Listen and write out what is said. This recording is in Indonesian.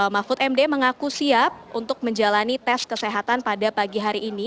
mahfud md mengaku siap untuk menjalani tes kesehatan pada pagi hari ini